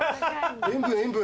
塩分塩分。